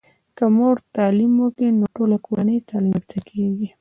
که مور تعليم وکړی نو ټوله کورنۍ تعلیم یافته کیږي.